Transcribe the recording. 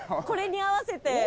これに合わせて？